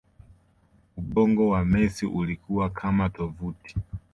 ubongo wa Messi ulikuwa kama tovuti